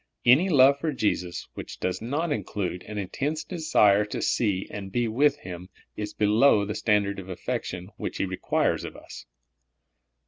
Any love for Jesus which does not include an intense desire to see and be with Him is below the standard of affection which He requires of us.